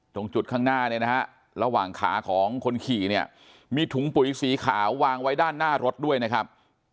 ตรงจุดข้างหน้าเนี่ยนะฮะระหว่างขาของคนขี่เนี่ยมีถุงปุ๋ยสีขาววางไว้ด้านหน้ารถด้วยนะครับ